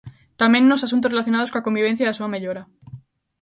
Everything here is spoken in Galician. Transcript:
Tamén nos asuntos relacionados coa convivencia e a súa mellora.